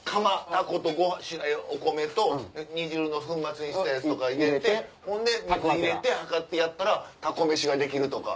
タコとお米と煮汁の粉末にしたやつ入れてほんで水入れて量ってやったらタコ飯ができるとか。